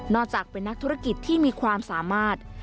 จากเป็นนักธุรกิจที่มีความสามารถ